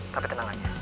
tapi tenang aja